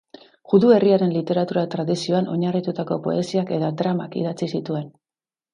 Judu herriaren literatura-tradizioan oinarritutako poesiak eta dramak idatzi zituen.